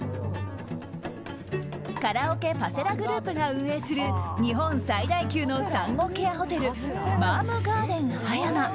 カラオケ・パセラグループが運営する日本最大級の産後ケアホテルマームガーデン葉山。